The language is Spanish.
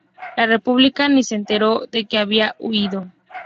La República ni se enteró de que había huido.